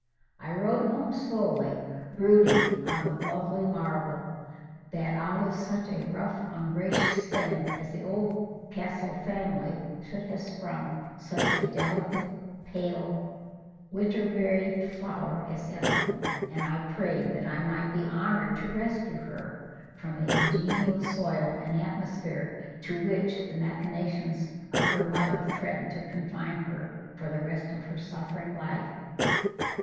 I rode home slowly, brooding on the lovely marvel, that out of such a rough ungracious stem as the Oldcastle family, should have sprung such a delicate, pale, winter braved flower, as Ethelwyn. And I prayed that I might be honoured to rescue her from the ungenial soil and atmosphere to which the machinations of her mother threatened to confine her for the rest of a suffering life.